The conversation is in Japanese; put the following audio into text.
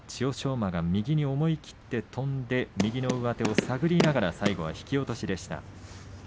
馬が右に思い切って飛んで右の上手を探りながら最後は引き落としでした。